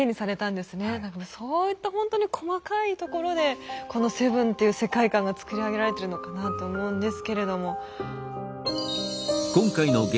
何かそういったほんとに細かいところでこの「７」っていう世界観が作り上げられてるのかなと思うんですけれども。